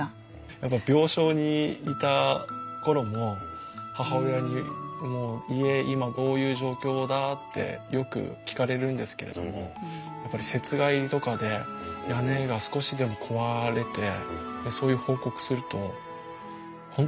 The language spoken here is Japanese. やっぱり病床にいた頃も母親にもう家今どういう状況だ？ってよく聞かれるんですけれどもやっぱり雪害とかで屋根が少しでも壊れてそういう報告すると本当その悲しそう。